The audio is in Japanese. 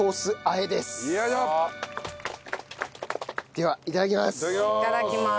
ではいただきます。